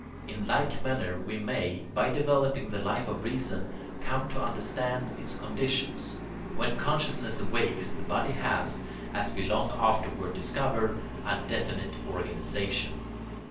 In like manner we may, by developing the Life of Reason, come to understand its conditions. When consciousness awakes the body has, as we long afterward discover, a definite organisation.